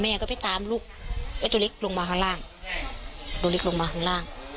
ก็ไปตามลูกไอ้ตัวเล็กลงมาข้างล่างตัวเล็กลงมาข้างล่าง